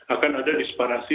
akan ada disparasi